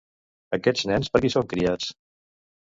Aquests nens, per qui són criats?